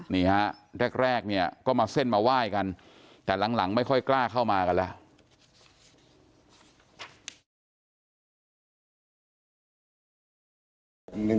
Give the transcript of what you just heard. นี่ฮะแรกเนี่ยก็มาเส้นมาไหว้กันแต่หลังไม่ค่อยกล้าเข้ามากันแล้ว